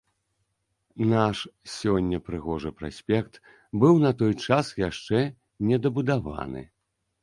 Наш сёння прыгожы праспект быў на той час яшчэ не дабудаваны.